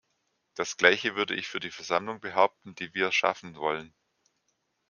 Das gleiche würde ich für die Versammlung behaupten, die wir schaffen wollen.